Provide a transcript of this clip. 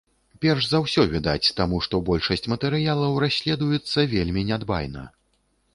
Перш за ўсё, відаць, таму, што большасць матэрыялаў расследуецца вельмі нядбайна.